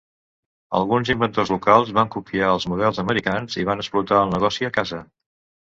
Alguns inventors locals van copiar els models americans, i van explotar el negoci a casa.